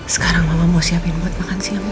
sekarang mama mau siapin buat makan siang